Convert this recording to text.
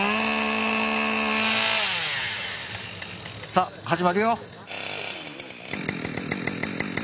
さあ始まるよ。